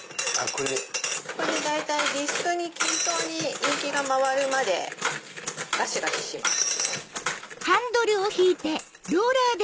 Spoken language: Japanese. これで大体ディスクに均等にインキが回るまでガシガシします。